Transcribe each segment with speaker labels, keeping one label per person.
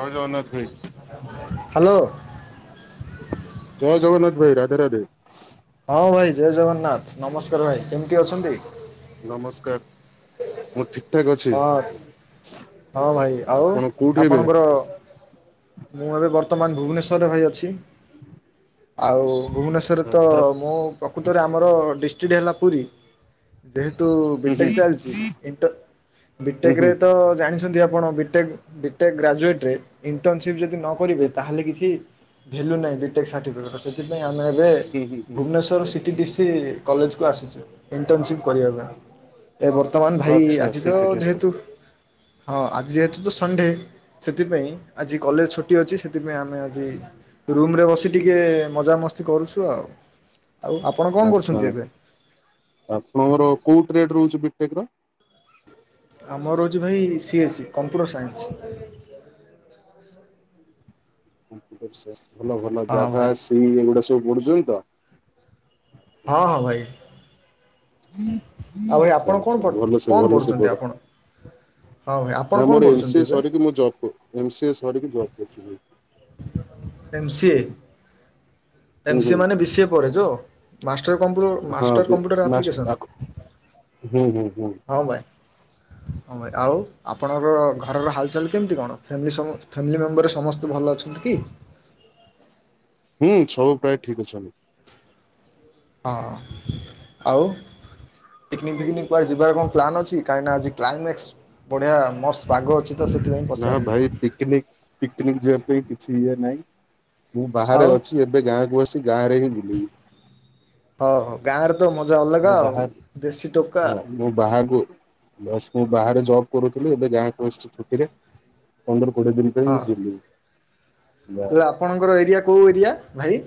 Speaker 1: ଜୟ ଜଗନ୍ନାଥ ଭାଇ
Speaker 2: ହାଲୋ।
Speaker 1: ଜୟ ଜଗନ୍ନାଥ ଭାଇ ରାଧେ ରାଧେ।
Speaker 2: ହଁ ଭାଇ ଜୟ ଜଗନ୍ନାଥ ନମସ୍କାର ଭାଇ କେମିତି ଅଛନ୍ତି?
Speaker 1: ନମସ୍କାର ମୁଁ ଠିକ୍ ଠାକ୍ ଅଛି।
Speaker 2: ହଁ ହଁ ଭାଇ ଆଉ
Speaker 1: ଆପଣ କୋଉଠି ଏବେ?
Speaker 2: ଆପଣଙ୍କର ମୁଁ ଏବେ ବର୍ତ୍ତମାନେ ଭୁବନେଶ୍ୱରରେ ଭାଇ ଅଛି। ଆଉ ଭୁବନେଶ୍ଵରରେ ତ
Speaker 1: ଘର
Speaker 2: ମୁଁ ପ୍ରକୃତରେ ଆମର ଡିଷ୍ଟି ହେଲା ପୁରୀ ଯେହେତୁ
Speaker 1: ହୁଁ ହୁଁ
Speaker 2: ବିଟେକ୍ ଚାଲିଚି ଇଣ୍ଡ
Speaker 1: ହୁଁ
Speaker 2: ବିଟେକ୍
Speaker 1: ହୁଁ
Speaker 2: ରେ ତ ଛନ୍ତି ଆପଣ ବିଟେକ୍ ବିଟେକ୍ ଗ୍ରାଜୁଏଟ୍ରରେ ଇଣ୍ଟର୍ଣ୍ନସିପ୍ ଯଦି ନ
Speaker 1: ହୁଁ
Speaker 2: କରିବେ ତାହେଲେ କିଛି ଭ୍ୟାଲ୍ୟୁ ନାହିଁ ବିଟେକ୍ ସାର୍ଟିଫିକେଟ ସେଥିପାଇଁ ଆମେ ଏବେ
Speaker 1: ହୁଁ ହୁଁ ହୁଁ
Speaker 2: ଭୁବନେଶ୍ୱର ସିଟି ଦିସି କଲେଜକୁ ଆସିଛୁ ଇଣ୍ଟର୍ନସିପ୍ କରିବା ପାଇଁ। ଏ ବର୍ତ୍ତମାନ୍ ଭାଇ
Speaker 1: ଆଚ୍ଛା
Speaker 2: ଆଜି ତ
Speaker 1: ସେଠି ଅଛି।
Speaker 2: ଯେହେତୁ ହଁ ଆଜି ଯେହେତୁ ତ ସଣ୍ଡେ ସେଥିପାଇଁ ଆଜି କଲେଜ୍ ଛୁଟି ଅଛି ସେଥିପାଇଁ ଆମେ ଆଜି ରୁମ୍ ରେ ବସି ଟିକେ ମଜାମସ୍ତି କରୁଛୁ ଆଉ ଆପ
Speaker 1: ଆଚ୍ଛା ଆପଣଙ୍କର କୋଉ ଟ୍ରେଟ ରହୁଛି ବିଟେକ୍ ର
Speaker 2: ଆମର ରହୁଛି ଭାଇ ସିଏସେ କମ୍ପ୍ୟୁଟର୍ ସାଇନ୍ସ।
Speaker 1: ହୁଁ ଏସ୍ ଏସ୍ ଭଲ ଭଲ
Speaker 2: ହଁ
Speaker 1: ଜାଭା
Speaker 2: ଭାଇ।
Speaker 1: ସି ଏଗୁଡା ସବୁ ପଢୁଛନ୍ତି ତ
Speaker 2: ହଁ ହଁ ଭାଇ। ଆଉ ଭାଇ
Speaker 1: ଆଛା
Speaker 2: ଆପଣ କଣ
Speaker 1: ଆଛା
Speaker 2: ପ
Speaker 1: ଭଲ ସେ
Speaker 2: କଣ
Speaker 1: ଭଲ ସେ
Speaker 2: ପଢ଼ୁଛନ୍ତି
Speaker 1: ପଢ଼।
Speaker 2: ଆପଣ? ହଁ ଭାଇ ଆପଣ
Speaker 1: ନା
Speaker 2: କଣ
Speaker 1: ମୋର ଏମ୍
Speaker 2: ପଢ଼ୁଛନ୍ତି
Speaker 1: ସିଏ
Speaker 2: ଏବେ?
Speaker 1: ସରିକି ମୁଁ ଜବ୍ କ ଏମ୍ ସିଏ ସରୀକି ଜବ୍ କରୁଚି ଭାଇ।
Speaker 2: ଏମ୍ ସିଏ।
Speaker 1: ହୁଁ
Speaker 2: ଏମ୍ ସିଏ
Speaker 1: ହୁଁ
Speaker 2: ମାନେ ବି ସି ଏ ପଡେ ଜୋ। ମାଷ୍ଟର କମ୍ପ୍ୟୁଟର
Speaker 1: ହଁ
Speaker 2: ମାଷ୍ଟର କମ୍ପ୍ୟୁଟର
Speaker 1: ମାଷ୍ଟ
Speaker 2: ଆପ୍ଲିକେସନ
Speaker 1: ହୁଁ ହୁଁ ହୁଁ
Speaker 2: ହଁ ଭାଇ। ହଁ ଭଇ ଆଉ ଆପଣଙ୍କର ଘରର ହାଲ୍ ଚାଲ୍ କେମିତି କଣ ଫ୍ୟାମି ସ ଫ୍ୟାମିଲି ମେମ୍ବର ସମସ୍ତେ ଭଲ ଅଛ କି
Speaker 1: ହୁଁ ସବୁ ପ୍ରାୟ ଠିକ୍ ଅଛୁ ଆମେ।
Speaker 2: ହଁ ଆଉ ପିକିନିକ୍ ଫିକିନିକ୍ କୁଆଡ଼େ ଯିବାର କଣ ପ୍ଲାନ୍ ଅଛି କାହିଁକି ନା ଆଜି କ୍ଲାଇନେସ୍ ବଢିଆ ମସ୍ତ ପାଗ ଅଛି। ତ ସେଥିପାଇଁ
Speaker 1: ନା
Speaker 2: ପଚାରିଲି
Speaker 1: ଭାଇ ପିକିନିକ୍ ପିକିନିକ୍ ଯିବା ପାଇଁ କିଛି ଇଏ ନାହିଁ ମୁଁ ବାହାରେ
Speaker 2: ଆଉ
Speaker 1: ଅଛି। ଏବେ ଗାଁକୁ ଆସି ଗାଁରେ ହିଁ ବୁଲିବି।
Speaker 2: ହଁ ହଉ ଗାଁ ରେ ତ ମଜା
Speaker 1: ମୁଁ
Speaker 2: ଅଲଗା ଆଉ
Speaker 1: ବାହାର
Speaker 2: ଦେଶୀ ଟୋକା।
Speaker 1: ହଁ ମୁଁ ବାହାକୁ ବାସ୍ ମୁ ବାହାରେ ଜବ୍ କରୁଥିଲି ଏବେ ଗାଁ କୁ ଆସିଛି ଛୁଟିରେ। ପନ୍ଦର କୋଡ଼ିଏ ଦିନ ପାଇଁ
Speaker 2: ହଁ
Speaker 1: ମୁଁ ବୁଲିବି।
Speaker 2: ହେଲେ
Speaker 1: ଗାଁରେ
Speaker 2: ଆପଣଙ୍କର ଏରିଆ କୋଉ ଏରିଆ ଭାଇ?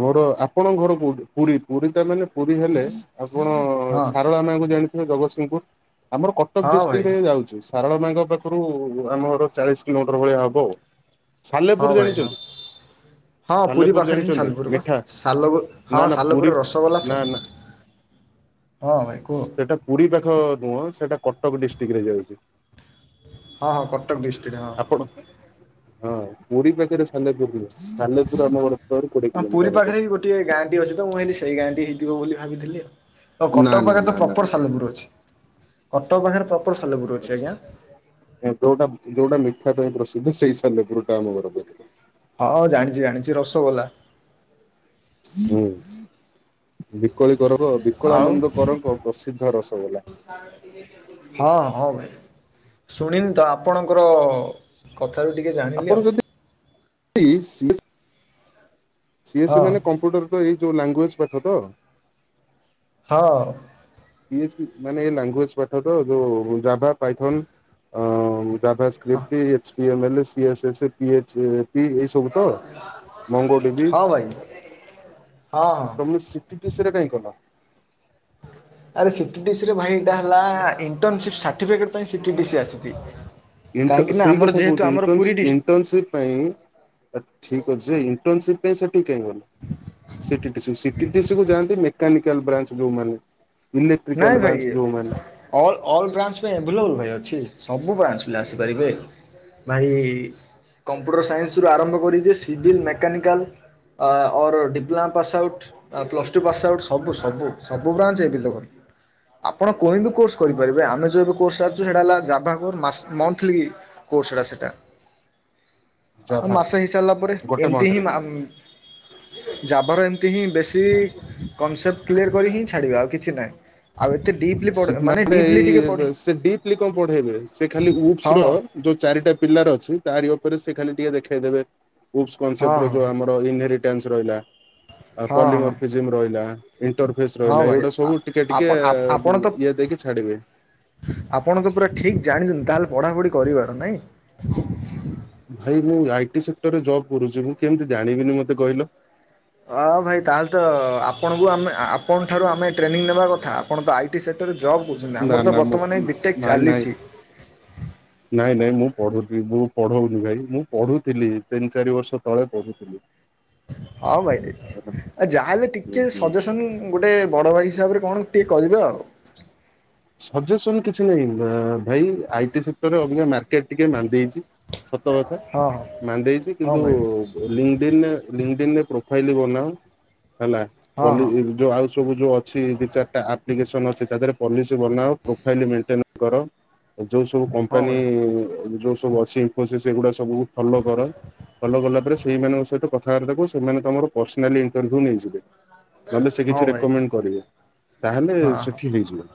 Speaker 1: ଆମର ଆପଣଙ୍କ ଘର କୋଉଠି ପୁରୀ ପୁରୀ ତା ମାନେ ପୁରୀ ହେଲେ ଆପଣ
Speaker 2: ହଁ
Speaker 1: ସାରଳା ମାଆଙ୍କୁ ଜାଣିଥିବେ ଜଗତସିଂହପୁର। ଆମର କଟକ
Speaker 2: ହଁ ଭାଇ
Speaker 1: ଡିଷ୍ଟ୍ରିକ୍ଟ ରେ ଯାଉଚି। ସାରଳା ମାଙ୍କ ପାଖରୁ ଆମ ଘର ଚାଳିଶି କିଲୋମିଟର ଭଳିଆ ହବ ଆଉ।
Speaker 2: ହଁ
Speaker 1: ସାଲେପୁର
Speaker 2: ଭାଇ ହଁ
Speaker 1: ଜାଣିଛନ୍ତି ସାଲେପୁର ଜାଣିଛନ୍ତି?
Speaker 2: ପୁରୁ ପା
Speaker 1: ମିଠା
Speaker 2: ସାଲେପୁର ହଁ
Speaker 1: ନା ନା ପୁରୀ
Speaker 2: ସାଲେପୁର ରସଗୋଲା
Speaker 1: ନା ନା
Speaker 2: ଫେମ ହଁ ଭାଇ କୁହ।
Speaker 1: ସେଟା ପୁରୀ ପାଖ ନୁହଁ ସେଇଟା କଟକ ଡିଷ୍ଟିକ୍ ରେ ଯାଉଚି।
Speaker 2: ହଁ ହଁ କଟକ ଡିଷ୍ଟିକ୍ ରେ ହଁ।
Speaker 1: ଆପଣ ହଁ ପୁରୀ ପାଖରେ ସାଲେପୁର ନୁହଁ। ସାଲେପୁର ଆମ ଘର ପାଖରୁ କୋଡିଏ
Speaker 2: ହଁ ପୁରୀ
Speaker 1: କିଲୋମିଟର ହବ।
Speaker 2: ପାଖରେ ବି ଗୋଟେ ଗାଁଟି ଅଛି ତ, ମୁଁ ଭାବିଲି ସେଇ ଗାଁଟି ହେଇଥିବ ବୋଲି ଭାବିଥିଲି ଆଉ। ତ
Speaker 1: ନା
Speaker 2: କଟକ
Speaker 1: ନା
Speaker 2: ପାଖରେ ତ
Speaker 1: ନା ନା
Speaker 2: ପ୍ରପର
Speaker 1: ନା ନା।
Speaker 2: ସାଲେପୁର ଅଛି କଟକ ପାଖରେ ପ୍ରପର ସାଲେପୁର ଅଛି ଆଜ୍ଞା।
Speaker 1: ଯୋଉଟା ଯୋଉଟା ମିଠା ପାଇଁ ପ୍ରସିଦ୍ଧ ସେଇ ସାଲେପୁର ଟା ଆମ ଘର ପାଖରେ।
Speaker 2: ହଁ ଜାଣିଚି ଜାଣିଚି ରସଗୋଲା।
Speaker 1: ହୁଁ। ବିକୋଳି କର କ
Speaker 2: ଆଉ
Speaker 1: ବିକଳାନନ୍ଦ କର ଙ୍କ ପ୍ରସିଦ୍ଧ ରସଗୋଲା।
Speaker 2: ହଁ ହଁ ଭାଇ ଶୁଣିନି ତ ଆପଣଙ୍କର କଥାରୁୁ ଟିକେ
Speaker 1: ଆପଣ
Speaker 2: ଜାଣିଲି ଆଉ।
Speaker 1: ଯଦି [unintelligible] ସିଏସ୍
Speaker 2: ହଁ
Speaker 1: ମାନେ କମ୍ପ୍ୟୁଟର ତ ହେଇଥିବ ଲାଙ୍ଗୁଏଜ୍ ପାଠ ତ।
Speaker 2: ହଁ।
Speaker 1: ସିଏସ୍ ମାନେ ଲାଙ୍ଗୁଏଜ ପାଠ ତ ଯୋଉ ଜାଭା ପାଇଥନ ଅ JavaScript, HTML, CSS, PHP ଏଇ ସବୁ ସବୁ ତ। ମଙ୍ଗ ଟିବି
Speaker 2: ହଁ ଭାଇ ହଁ ହଁ।
Speaker 1: ଆ ତମେ ସି ସିଟିଡିଶି ରେ କାହିଁ କଲ?
Speaker 2: [inaudible] ଆରେ ସିଟିଡିଶି ରେ ଭାଇ ଏଇଟା ହେଲା ଇଣ୍ଟନସିପି ସର୍ଟିଫିକେଟ ପାଇଁ ସିଟିଡିଶି ଆସିଚି।
Speaker 1: ଇଣ୍ଟନ ସେଇ କଥା କହୁଚି ଇଣ୍ଟନ୍ସିପ ଇନ୍
Speaker 2: ଡିଷ୍ଟ୍
Speaker 1: ଇଣ୍ଟନ୍ସିପ ପାଇଁ ଠିକ୍ ଅଛି ଇଣ୍ଟର୍ନସିପ୍ ପାଇଁ ସେଠିକି କାଇ ଗଲ। ସିଟିଟିସି କୁ ସିଟିଟିଶି କୁ ଯାନ୍ତି ମେକାନିକାଲ ବ୍ରାଞ୍ଚ ଯୋଉମାନେ।
Speaker 2: ନାଇଁ
Speaker 1: ଇଲେକ୍ଟ୍ରିକାଲ
Speaker 2: ଭାଇ
Speaker 1: ବ୍ରାଞ୍ଚ ଯୋଉ ମାନେ।
Speaker 2: ଅଲ୍ ଅଲ୍ ବ୍ରାଞ୍ଚ ପାଇଁ ଆଭେଲେବୁଲ୍ ଭାଇ ଅଛି। ସବୁ ବ୍ରାଞ୍ଚ ପିଲା ଭାଇ ଆସିପାରିବେ। ଭାଇ କମ୍ପ୍ୟୁଟର ସାଇନ୍ସ ରୁ ଆରମ୍ଭ କରି ଯେ civil mechanical uh or diploma pass out. Plus two pass out ସବୁ ସବୁ ସବୁ ବ୍ରାଞ୍ଚ୍ ଏ। [unintelligible] ଆପଣ କୋହେନୂର୍ କୋର୍ସ କରିପାରିବେ। ଆମେ ଯଉ କୋର୍ସ ସାରିଚୁ ସେଇଟା ହେଲା ଜାଭା କୋର୍ସ ମାସ ମନ୍ଥଲି କୋର୍ସ ଟା ସେଟା। ଆଉ
Speaker 1: ଜାଭା
Speaker 2: ମାସେ ହେଇସାରିଲା ପରେ
Speaker 1: ଗୋଟେ
Speaker 2: ଏମତି
Speaker 1: ମନ୍ଥରେ
Speaker 2: ହିଁ ମାମ୍ ଜାଭା ର ଏମିତି ହିଁ ବେଶୀ କନସେପ୍ଟ କ୍ଲିୟର କରିକି ହିଁ ଛାଡିବେ ଆଉ କିଛି ନାହିଁ। ଆଉ ଏତେ ଡିପ୍ଲି ପଢ଼
Speaker 1: ବେସିକ୍
Speaker 2: ମାନେ
Speaker 1: [unintelligible] ଏଇ
Speaker 2: ଡିପ୍ଲି ଟିକେ ପଢ଼ି
Speaker 1: ସେ ଡିପ୍ଲି କଣ ପଢେଇବେ ସେ ଖାଲି ଉକ୍ସ
Speaker 2: ହଁ
Speaker 1: ର ଯୋଉ ଚାରିଟା ପିଲାର ଅଛି ତାରି ଉପରେ ସେ ଖାଲି ଟିକେ ଦେଖେଇଦେବେ ଉକ୍ସ୍
Speaker 2: ହଁ
Speaker 1: କସେପ୍ଟ ର
Speaker 2: ହଁ
Speaker 1: ଯୋଉ ଆମର ର ଇନରିଟାନ୍ସ ରହିଲା ଆଉ
Speaker 2: ହଁ ହଁ
Speaker 1: ପଲିମର ଫିଯିମ୍ ରହିଲା ଇଣ୍ଟର ଫେସ
Speaker 2: ହଁ
Speaker 1: ରହିଲା।
Speaker 2: ଭାଇ
Speaker 1: ଏଇଗୁଡା ସବୁ ଟିକେ ଟିକେ
Speaker 2: ଆପଣ ଆପଣ ତ
Speaker 1: ଇଏ ଦେଇକି ଛାଡିବେ।
Speaker 2: ଆପଣ ତ ପୁରା ଠିକ୍ ଜାଣିଛନ୍ତି। ତାହେଲେ ପଢ଼ାପଢ଼ି କରିବାର ନାଇଁ।
Speaker 1: ଭାଇ ମୁଁ ଆଇଟି ସେକ୍ଟରରେ ଜବ କରୁଚି ମୁଁ କେମିତି ଜାଣିବିନି ମତେ କହିଲ।
Speaker 2: ଅ ଭାଇ ତାହେଲେ ତ ଆପଣଙ୍କୁ ଆପଣଙ୍କ ଠାରୁ ଆମେ ଟ୍ରେନିଂ ନେବା କଥା। ଆପଣ ତ ଆଇଟି ସେକ୍ଟରରେ ଜବ୍ କରୁଛନ୍ତି
Speaker 1: ନା
Speaker 2: ଆମର ତ
Speaker 1: ନା ମୁଁ
Speaker 2: ବର୍ତ୍ତମାନ ଏ ବିଟେକ୍
Speaker 1: ନାଇଁ ନାଇଁ
Speaker 2: ଚାଲିଚି।
Speaker 1: ନାଇଁ ନାଇଁ ମୁଁ ପଢୁଥିଲି ମୁଁ ପଢଉନି ଭାଇ ମୁଁ ପଢୁଥିଲି ତିନି ଚାରି ବର୍ଷ ତଳେ ପଢୁଥିଲି।
Speaker 2: ହଁ ଭାଇରେ
Speaker 1: ହୁଁ
Speaker 2: ଆଉ ଯାହା ହେଲେ ଟିକେ
Speaker 1: ହୁଁ
Speaker 2: ସଜେସନ ଗୋଟେ ବଡ ଭାଇ ହିସାବରେ କଣ ଟିକେ କରିବେ ଆଉ।
Speaker 1: ସଜେସନ କିଛି ନାହିଁ। ଭାଇ ଆଇଟି ସେଟର ଅବିକା ମାର୍କେଟ ଟିକେ ମାନ୍ଦିଚି। ସତ କଥା
Speaker 2: ହଁ ହଁ
Speaker 1: ମାନ୍ଦେଇଛି
Speaker 2: ହଁ
Speaker 1: କିନ୍ତୁ
Speaker 2: ଭାଇ
Speaker 1: ଲିଙ୍ଗଡିନ୍ ରେ ଲିଙ୍ଗଡିନ୍ ପ୍ରୋଫାଇଲ ବନାଅ ହେଲା।
Speaker 2: ହଁ ହଁ
Speaker 1: [unintelligible] ଯୋଉ ଆଉ ସବୁ ଯୋଉ ଅଛି ଦି ଚାରି ଟା ଆପ୍ଲିକେସ ଟନ ଅଛି ତଦେହରେ ପଲିସ୍ ବନାଅ ପ୍ରୋଫାଇଲ୍ ମେଣ୍ଟେନ କର ଯୋଉ ସବୁ
Speaker 2: ହଁ
Speaker 1: କମ୍ପାନୀ
Speaker 2: ଭାଇ
Speaker 1: ଯୋଉ ସବୁ ଅଛି ଇନଫୋସିସ୍ ଏଗୁଡା ସ୍ ସବୁ ଫଲୋ କର ଫଲୋ କଲା ପରେ ସେଇମାନଙ୍କ ସହିତ କଥାବାର୍ତାକୁ ସେମାନେ ତମର ପର୍ସନାଲି ଇଣ୍ଟରଭ୍ୟୁ ନେଇଯିବେ। ନହେଲେ ସେ
Speaker 2: ହଁ
Speaker 1: କିଛି
Speaker 2: ଭାଇ
Speaker 1: ରେକୋମେଣ୍ଡ କରିବେ ତାହଲେ
Speaker 2: ହଁ ହଁ
Speaker 1: ସେଠି ହେଇଯିବ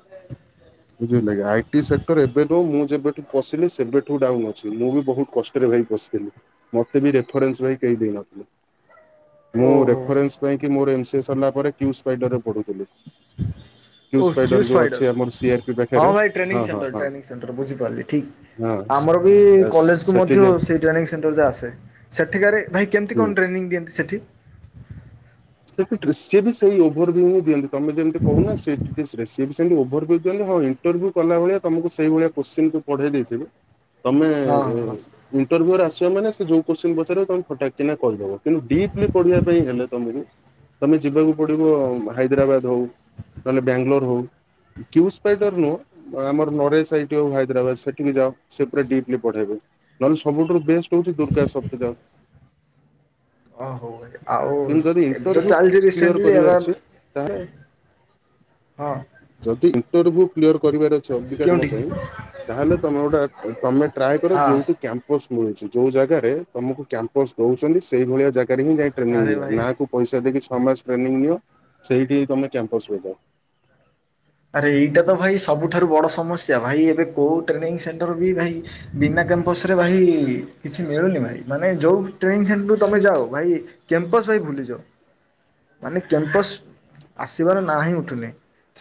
Speaker 1: ବୁଝିହେଲାକି ଆଇଟି ସେକ୍ଟର ଏବେ ନୁହଁ। ମୁଁ ଯେବେଠୁ ପଶିଲି ସେବେଠୁ ଡାଉନ ଅଛି ମୁଁ ବି ବହୁତ କଷ୍ଟ ରେ ଭାଇ ପଶି। ମତେ ବି ରେଫରେନ୍ସ ଭାଇ କେହି ଦେଇ ନଥିଲେ।
Speaker 2: ହଁ
Speaker 1: ମୁଁ ରେଫରେନ୍ସ ପାଇଁକ ମୋର ଏମ ସି ଏସ୍ ହେଲା ପରେ କ୍ୟୁ ସ୍ପାଇଡର ରେ ପଢ଼ୁଥିଲି।
Speaker 2: ହ ଓଜୁସ ଫାଇଡର
Speaker 1: ସିଆର ପି
Speaker 2: ହଁ
Speaker 1: ପାଖରେ
Speaker 2: ଭାଇ ଟ୍ରେନି
Speaker 1: ହଁ ହଁ
Speaker 2: ସେଣ୍ଟର
Speaker 1: ହଁ ହଁ
Speaker 2: ଟ୍ରେନିଂ ସେଣ୍ଟର ବୁଝିପାରିଲି ଠିକ୍। ଆମର ବି
Speaker 1: ବାସ୍
Speaker 2: କଲେଜକୁ
Speaker 1: ସେଠି
Speaker 2: ମଧ୍ୟ
Speaker 1: ଯେ
Speaker 2: ସେଇ ଟ୍ରେନିଂ ସେଣ୍ଟର ଆସେ ସେଠିକାରେ ଭାଇ କେମତି
Speaker 1: ହୁଁ।
Speaker 2: କଣ ଟ୍ରେନିଂ ଦିଅନ୍ତି ସେଠି?
Speaker 1: ସେଠି ଟ୍ରେ ସେଇ ଓଭର ଭୁ ହିଁ ଦିଅନ୍ତି ତମେ ଯେମତି କହୁନା ସେଠ ଟିକେ ଶେ ସିଏବି ସେମିତି ଓଭର ଭ୍ୟୁ କଲେ ଇଣ୍ଟରଭ୍ୟୁ କଲା ଭଳିଆ ତମକୁ ସେଇଭଳିଆ କୋଷ୍ଟିନ ପଢେଇ ଦେଇଥିବେ ତମେ ଏ
Speaker 2: ହଁ ହଁ
Speaker 1: ଏ
Speaker 2: ହଁ
Speaker 1: ଇଣ୍ଟରଭ୍ୟୁରେ ଆସିବାମାନେ ସେ ଯୋଉ କୋତ୍ସିନ ପଚାରିବ ତମେ ଫଟାକ କିନା କହିଦବ। କିନ୍ତୁ ଡିପ୍ଲି ପଢିବା ପାଇଁ ହେଲେ ତମକୁ ତମେ ଯିବାକୁ ପଡିବ ହାଇଦ୍ରାବାଦ ହଉ ନହେଲେ ବ୍ୟାଙ୍ଗଲୋର ହଉ କ୍ୟୁ ସ୍ପାଇଟର ନୁହଁ ଆମର ନରେସ ଆଇ ଟି ଆଉ ହାଇଦ୍ରାବାଦ ସେଠିକି ଯାଅ ସେ ପୁରା ଡିପ୍ଲି ପଢେଇବେ। ନହେଲେ ସବୁଠାରୁ ବେଷ୍ଟ ହୋଉଛି ଦୁର୍ଗା [unintelligible] କୁ ଯାଅ।
Speaker 2: ଓ ହଉ ଆଉ ଏ
Speaker 1: କିନ୍ତୁ ଯଦି
Speaker 2: ଏ ତ
Speaker 1: ଇଣ୍ଟରଭ୍ୟୁ
Speaker 2: ଚାଲଛି
Speaker 1: କ୍ଲିୟର
Speaker 2: ରିସେଣ୍ଟଲି
Speaker 1: କରିବାର
Speaker 2: ଆ
Speaker 1: ଅଛି ତାହେଲେ
Speaker 2: ହଁ
Speaker 1: ଯଦି ଇଣ୍ଟର୍ଭୀୟୁ କ୍ଲିୟର କରିବାର ଅଛି ଅବିକା ତମ
Speaker 2: କେଉଁଠି
Speaker 1: ପାଇଁ ତାହେଲେ ତମେ ଗୋଟେ ତମେ ଟ୍ରାଏ କର
Speaker 2: ହଁ
Speaker 1: ଯୋଉଠି କ୍ୟାମ୍ପସ୍ ମିଳୁଛି ଯୋଉ ଜାଗାରେ ତମକୁ କ୍ୟାମ୍ପସ ଦୋଉଛନ୍ତି ସେଇ ଭଳିଆ ଜାଗାରେ ହିଁ ଯାଇକି ଟ୍ରେନିଂ
Speaker 2: ଆରେ
Speaker 1: ନିଅ
Speaker 2: ଭାଇ
Speaker 1: ନାକୁ ପଇସା ଦେଇକି ଛଅ ମାସ ଟ୍ରେନିଂ ନିଅ ସେଇଠି ତମେ କ୍ୟାମ୍ପସ ରେ ଯାଅ।
Speaker 2: ଆରେ ଏଇଟା ତ ଭାଇ ସବୁଠାରୁ ବଡ଼ ସମସ୍ୟା ଭାଇ ଏବେ କୋଉ ଟ୍ରେନିଂ ସେଣ୍ଟର ବି ଭାଇ ବିନା କ୍ୟାମ୍ପସରେ ଭାଇ କିଛି ମିଳୁନି ଭାଇ ମାନେ ଯେଉଁ ଟ୍ରେନ ସେଣ୍ଟରକୁ ତମେ ଯାଅ ଭାଇ କ୍ୟାମ୍ପସ ଭାଇ ଭୁଲିଯାଅ। ମାନେ କ୍ୟାମ୍ପସ୍ ଆସିବାର ନାଁ ହିଁ ଉଠୁନି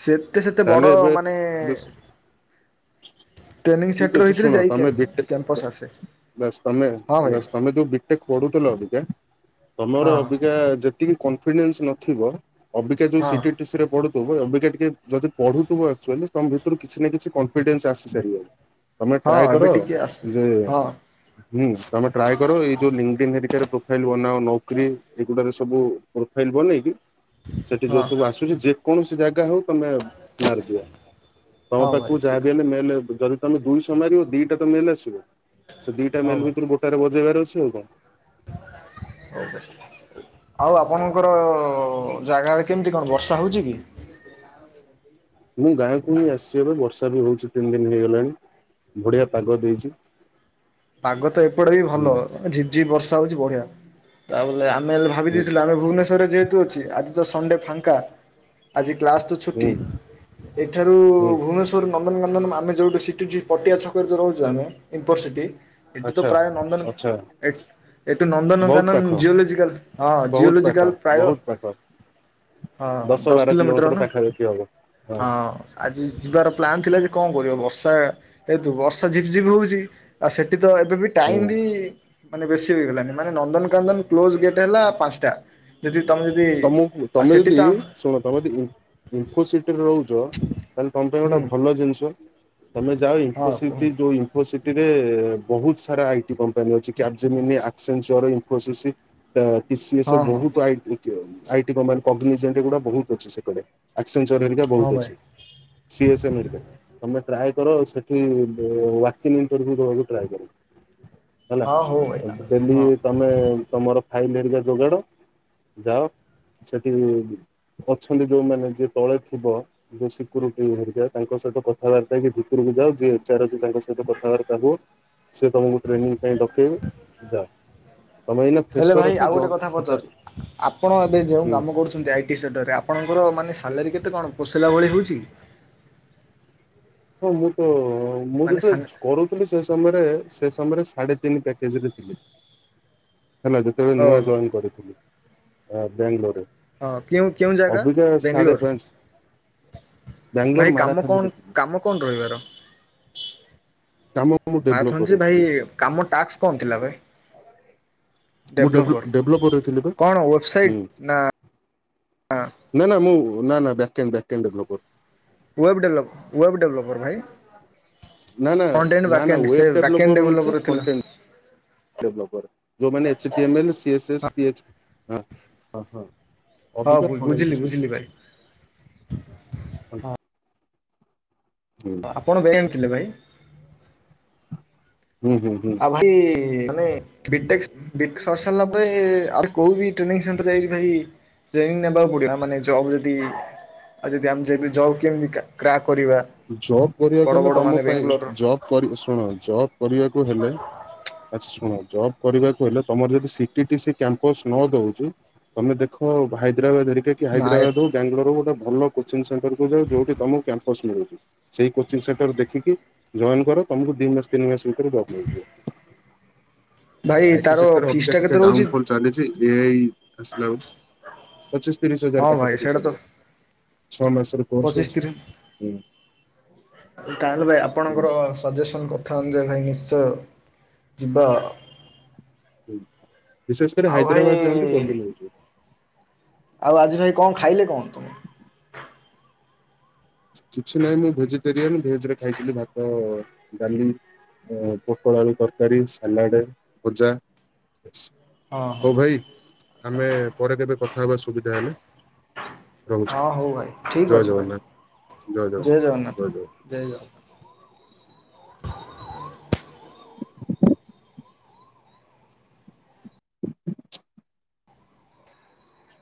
Speaker 2: ସେ ଏତେ ସେତେ
Speaker 1: ତାହେଲେ
Speaker 2: ବଡ
Speaker 1: ଏବେ
Speaker 2: ମାନେ
Speaker 1: ଏବେ
Speaker 2: ଟ୍ରେନିଂ
Speaker 1: ଠିକ
Speaker 2: ସେଣ୍ଟର
Speaker 1: ଅଚ୍ଛି
Speaker 2: ହେଇଥିଲେ
Speaker 1: ଶୁଣ
Speaker 2: ଯାଇ
Speaker 1: ତମେ
Speaker 2: କ୍ୟାମ୍ପସ୍
Speaker 1: ବିଟେକ
Speaker 2: ଆସେ
Speaker 1: ବାସ ତମେ
Speaker 2: ହଁ ଭାଇ
Speaker 1: ବାସ ତମେ ଯୋଉ ବି ତେ ପଢୁଥିଲ ଅବିକା ତମର
Speaker 2: ହଁ
Speaker 1: ଅବିକା ଯେତିକି କନଫିଡେନ୍ସ ନଥିବ ଅବିକା ଯୋଉ
Speaker 2: ହଁ
Speaker 1: ସି ଟି ଟି ସି ରେ ପଢ଼ୁ ଉଭୟ ଅଵିକା ଟିକେ ଯଦି ପଢୁଥିବ ଆକଚୁଆଲି ତମ ଭିତରୁ କିଛି ନା କିଛି କନଫିଡେନ୍ସ ଆସି ସାରିବନି। ତମେ
Speaker 2: ହଁ
Speaker 1: ଟ୍ରାଏ
Speaker 2: ଏବେ
Speaker 1: କର
Speaker 2: ଟିକେ ଆସେ
Speaker 1: ଯେ
Speaker 2: ହଁ
Speaker 1: ହୁଁ ତମେ ଟ୍ରାଏ କର ଏଇ ଯୋଉ ଲିଙ୍କ୍ ବିନ୍ ହେରିକାରେ ପ୍ରୋଫାଇଲ୍ ବନାଅ ନୋକ୍ରି ଏଗୁଡ଼ାରେ ସବୁ ପ୍ରୋଫାଇଲ ବନେଇକି ସେଠି ଯୋଉ
Speaker 2: ହଁ।
Speaker 1: ସବୁ ଆସୁଛି ଯେକୌଣସି ଜାଗା ହଉ ତମେ ମାରିଦିଅ। ତମ
Speaker 2: ହଁ ଭାଇ
Speaker 1: ପାଖକୁ
Speaker 2: ଠିକ୍
Speaker 1: ଯାହା ବି ହେଲେ ମେଲ୍ ଯଦି ତମେ ଦୁଇଶହ ମାରିବ ଦିଟା ତ ମେଲ ଆସିବ। ସେ ଦିଟା
Speaker 2: ହଁ
Speaker 1: ମେଲ
Speaker 2: ଭାଇ
Speaker 1: ଭିତରୁ ଗୋଟାରେ ବଜେଇବାର ଅଛି ଆଉ କଣ।
Speaker 2: ଆଉ ଆପଣଙ୍କର ଜାଗା ଆଡେ କେମିତି କଣ ବର୍ଷା ହେଉଛି କି?
Speaker 1: ମୁଁ ଗାଁକୁ ହିଁ ଆସିଛି ଏବେ ବର୍ଷା ବି ହଉଛି ତିନି ଦିନ ହେଇଗଲାଣି। ବଢିଆ ପାଗ ଦେଇଛି।
Speaker 2: ପାଗ ତ ଏପଟେ ବି ଭଲ
Speaker 1: ହୁଁ
Speaker 2: ଝିପ୍ ଝିପ୍ ବର୍ଷା ହୋଉଛି ବଢିଆ। ତା ବଲେ ମେଲ୍ ଭାବି
Speaker 1: ହୁଁ
Speaker 2: ଦେଇଥିଲୁ ଆମେ ଭୁବନେଶ୍ୱରରେ ଯେହେତୁ ଅଛି ଆଜି ତ ସଣ୍ଡେ ଫାଙ୍କା ଆଜି କ୍ଲାସ୍ ଠୁ
Speaker 1: ହୁଁ
Speaker 2: ଛୁଟି ଏଠାରୁ
Speaker 1: ହୁଁ
Speaker 2: ଭୁବନେଶ୍ୱ ନନ୍ଦନକାନନ ଆମେ ଯୋଉଠୁ ସିଟି ଯୋ ପଟିଆ ଛକରେ ଯୋଉ ରହୁଚୁ ଆମେ ଇନଫର ସିଟି ଏଠି ତ
Speaker 1: ଆଚ୍ଛା
Speaker 2: ପ୍ରାୟ ନନ୍ଦନ
Speaker 1: ଆଚ୍ଛା
Speaker 2: ଏଠ ଏଠୁ
Speaker 1: ବହୁତ ପାଖ
Speaker 2: ନନ୍ଦନକାନନ ଜିଓଲୋଜିକାଲ ହଁ,
Speaker 1: ବହୁତ ପାଖ
Speaker 2: ଜିଓଲୋଜିକାଲ ପ୍ରାୟ
Speaker 1: ବହୁତ ପାଖ
Speaker 2: ହଁ ଦଶ କିଲୋମିଟର ନା, ହଁ। ଆଜି ଯିବାର ପ୍ଲାନ୍ ଥିଲା ଯେ କଣ କରିବ? ବର୍ଷା ଯେହେତୁ ବର୍ଷା ଝିପ୍ ଝିପ୍ ହଉଛି, ଆଉ ସେ ଠି ତ ଏବେ ବି ଟାଇମ
Speaker 1: ହୁଁ।
Speaker 2: ବି ମାନେ ବେଶୀ ବି ହେଇଗଲାନି। ମାନେ ନନ୍ଦନକାନ୍ଦନ କ୍ଲୋଜ ଗେଟ୍ ହେଲା ପାଞ୍ଚଟା। ଯେଦି ତମେ ଯେଦି
Speaker 1: ତମକୁ ତମେ ଯଦି ଶୁଣ ତମେ ଯଦି ଇମ୍-ଇନଫୋସିିଟିରେ ରହୁଛ ତାହେଲେ ତମ ପାଇଁ
Speaker 2: ହୁଁ
Speaker 1: ଗୋଟେ ଭଲ ଜିନିଷ। ତମେ ଯାଅ
Speaker 2: ହଁ କୁହ
Speaker 1: ଇନଫୋସିଟି ଯୋଉ ଇନ୍ ଫୋସିଟିରେ ବହୁତ ସାରା ଆଇ ଟି କମ୍ପାନୀ ଅଛି। [unintelligible] ଇନ୍ଫୋସିସ [unintelligible]
Speaker 2: ହଁ ହଁ
Speaker 1: ବହୁତ୍ ଆଇ ଟି କମ୍ପାନୀ, [unintelligible] ବହୁତ ଅଛି ସେପଟେ। ଆକ୍ଜିଂସର୍ ହେରିକା
Speaker 2: ହଁ
Speaker 1: ବହୁତ୍
Speaker 2: ଭାଇ
Speaker 1: ଅଛି। [unintelligible] ତମେ ଟ୍ରାଏ କର ସେଠି, ବୁ ୱାକିଂ ଇଣ୍ଟରଭ୍ୟୁ ଦବାକୁ ଟ୍ରାଏ କର। ହେଲା।
Speaker 2: ହଁ ହଉ ଭାଇ
Speaker 1: ଡେଲି
Speaker 2: ହଁ
Speaker 1: ତମେ ତମର ଫାଇଲ ହେରିକା ଯୋଗାଡ ଯାଅ, ସେଠି ଅଛନ୍ତି ଯୋଉମାନେ ଯିଏ ତଳେ ଥିବ ଯୋଉ ସିକ୍ୟୁରିଟି ହେରିକା ତାଙ୍କ ସହିତ କଥାବାର୍ତ୍ତା ହେଇକି ଭିତରକୁ ଯାଅ, ଯିଏ ଏଚ ଆର ଅଛି ତାଙ୍କ ସହିତ କଥାବାର୍ତ୍ତା ହୁଅ ସିଏ ତୁମକୁ ଟ୍ରେନିଂ ପାଇଁ ଡକେଇବେ, ଯାଅ। ତମେ ଏଇନା
Speaker 2: ହେଲେ ଭାଇ
Speaker 1: ଫ୍ରେଶର ଅଛ
Speaker 2: ଆଉ ଗୋଟେ
Speaker 1: ଜବ୍
Speaker 2: କଥା ପଚାରୁଛି
Speaker 1: ହଠାତ୍
Speaker 2: ଆପଣ ଏବେ ଯେଉଁ
Speaker 1: ହୁଁ
Speaker 2: କାମ କରୁଛନ୍ତି ଆଇ ଟି ସେଣ୍ଟରରେ, ଆପଣଙ୍କର ମାନେ ସାଲାରୀ କେତେ କଣ ପୋଷେଇଲା ଭଳି ହେଉଛି?
Speaker 1: ହଁ ମୁଁ ତ, ମୁଁ
Speaker 2: ମାନେ
Speaker 1: ଯେବେ
Speaker 2: ସା
Speaker 1: କରୁ ଥିଲି, ସେ ସମୟରେ, ସେ ସମୟରେ ସାଢେ ତିନି ପ୍ୟାକେଜରେ ଥିଲି। ହେଲା ଯେତେବେଳେ ନୂଆ
Speaker 2: ଓହୋ
Speaker 1: ଜଏନ୍ କରିଥିଲି, ବାଙ୍ଗାଲୋରରେ।
Speaker 2: ହଁ କେଉଁ କେଉଁ ଜାଗା?
Speaker 1: ଅବିକା ସାଢେ ପାଞ୍ଚ
Speaker 2: ବେଙ୍ଗଲୋର।
Speaker 1: ବାଙ୍ଗାଲୋର
Speaker 2: ଭାଇ କାମ
Speaker 1: ମାରାଥାଲିରେ
Speaker 2: କଣ,
Speaker 1: ଥିଲି।
Speaker 2: କାମ କଣ ରହିବ ଆର?
Speaker 1: କାମ ମୁଁ ଡେଭଲପ୍
Speaker 2: ମାରାଥନ ଯେ ଭାଇ,
Speaker 1: କରେଇଥିଲି
Speaker 2: କାମ ଟାସ୍କ କଣ ଥିଲା ଭାଇ?
Speaker 1: ମୁଁ
Speaker 2: ଡେଭଲପର
Speaker 1: ଡେଭଲପ-ଡେଭଲପରରେ ଥିଲି ବା।
Speaker 2: କଣ ୱେବସାଇଟ୍
Speaker 1: ହୁଁ।
Speaker 2: ନା
Speaker 1: ନା ନା ମୁଁ ନା ନା ବ୍ୟାକେଣ୍ଡ ବ୍ୟାକେଣ୍ଡ [unintelligible]
Speaker 2: ୱେବ ଡେବ୍ଲଭ ୱେବ ଡେଭଲପର ଭାଇ। ଫ୍ରଣ୍ଟ ଏଣ୍ଡ ବ୍ୟାକ୍
Speaker 1: ନା-ନା-ନା-ନା
Speaker 2: ଏଣ୍ଡ ସେ
Speaker 1: ୱେବ
Speaker 2: ବ୍ୟାକ୍ ଏଣ୍ଡ
Speaker 1: ଡେଭଲପର ହଉଛି
Speaker 2: ଥିଲା।
Speaker 1: ଫଣ୍ଟେଣ୍ଟ ଡେଭଲପର। ଯୋଉମାନେ H T M L, C S S, P H ହ-ହ-ହଁ
Speaker 2: ହଁ ବୁଝିଲି ବୁଝିଲି ଭାଇ
Speaker 1: ଅବିକା [unintelligible] [unintelligible]
Speaker 2: ଆପଣ [unintelligible] ଆଣିଥିଲେ ଭାଇ।
Speaker 1: ହୁଁ-ହୁଁ-ହୁଁ।
Speaker 2: ଆଉ ଭାଇ ମାନେ ବିଟେକ୍ ବିଟେ ସରିସାରିଲା ପରେ, ଆଉ କୋଉ ବି ଟ୍ରେନିଂ ସେଣ୍ଟର୍ ଯାଇକି ଭାଇ ଟ୍ରେନିଂ ନେବାକୁ ପଡିବ। ମାନେ ଜବ୍ ଯେତିକି ଆଉ ଯଦି ଆମେ [unintelligible] ଜବ କେମିତି କ୍ରା-କ୍ରାକ୍ କରିବା
Speaker 1: ଜବ୍ କରିବାକୁ
Speaker 2: ବଡ଼
Speaker 1: ହେଲେ
Speaker 2: ବଡ଼
Speaker 1: ତମ
Speaker 2: ମାନେ
Speaker 1: ପାଇଁ
Speaker 2: ବେଙ୍ଗଲୋରର।
Speaker 1: ଜବ୍ କରି ଶୁଣ ଜବ୍ କରିବାକୁ ହେଲେ, ଆଚ୍ଛା ଶୁଣ ଜବ୍ କରିବାକୁ ହେଲେ, ତମର ଯଦି C T T C campus ନ ଦଉଛି, ତମେ ଦେଖ ହାଇଦ୍ରାବାଦ ହେରିକା କି
Speaker 2: ନାଇଁ
Speaker 1: ହାଇଦ୍ରାବାଦ ହଉ, ବାଙ୍ଗାଲୋର ହଉ, ଗୋଟେ ଭଲ କୋଚିଂ ସେଣ୍ଟରକୁ ଯାଅ ଯୋଉଠି ତମକୁ କ୍ୟାମ୍ପସ୍ ମିଳୁଛି। ସେଇ କୋଚିଂ ସେଣ୍ଟର ଦେଖିକି ଜଏନ କର, ତମକୁ ଦି ମାସ ତିନି ମାସ ରେ ଜବ୍
Speaker 2: ଭାଇ
Speaker 1: ମିଳିଯିବ। ଆଇ ଟି
Speaker 2: ତାର
Speaker 1: ସେକ୍ଟରରେ
Speaker 2: ଫିସ୍
Speaker 1: ଅବିକା
Speaker 2: ଟା କେତେ
Speaker 1: ଟିକେ ଡାଉନ୍
Speaker 2: ରହୁଛି
Speaker 1: ଫଲ ଚାଲିଚି ଏ ଆଇ ଆସିଲା ଆଉ। ପଚିଶ ତିରିଶ ହଜାର
Speaker 2: ହଁ ଭାଇ
Speaker 1: ପାଖାପାଖି
Speaker 2: ସେଇଟା ତ
Speaker 1: ପଡିବ। ଛଅ ମାସରେ
Speaker 2: ପଚିଶ ତିରିଶ, ତାହେଲେ ଭାଇ
Speaker 1: ହୁଁ
Speaker 2: ଆପଣଙ୍କର ସଜେସନ କଣ? [unintelligible] ନିଶ୍ଚୟ ଯିବା।
Speaker 1: ବିଶେଷ କରି
Speaker 2: ଆଉ ଭାଇ
Speaker 1: ହାଇଦ୍ରାବାଦ ଯାଆନ୍ତୁ ଜଲଦି ମିଳିଯିବ।
Speaker 2: ଆଉ ଆଜି ଭାଇ କଣ ଖାଇଲେ କହନ୍ତୁ?
Speaker 1: କିଛି ନାହିଁ ମୁଁ ଭେଜିଟେରିଆନ। ଭେଜରେ ଖାଇଥିଲି ଭାତ, ଡାଲି ଉଁ ପୋଟୋଳ ଆଳୁ ତରକାରୀ, ସାଲାଡେ, ଭଜା।
Speaker 2: ହଁ ହଁ
Speaker 1: ହୋଉ ଭାଇ ଆମେ ପରେ କେବେ କଥା ହବା ସୁବିଧା ହେଲେ। ରହୁଛି
Speaker 2: ହଁ ହଉ ଭାଇ ଠିକ୍
Speaker 1: ଜୟ
Speaker 2: ଅଛି ଭାଇ
Speaker 1: ଜଗନ୍ନାଥ ଜୟ ଜଗନ୍ନାଥ ଜୟ ଜଗନ୍ନାଥ।